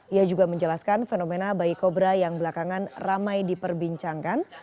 ia juga menjelaskan fenomena bayi kobra yang belakangan ramai diperbincangkan